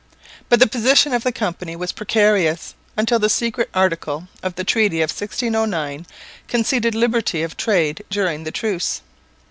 But the position of the company was precarious, until the secret article of the treaty of 1609 conceded liberty of trade during the truce.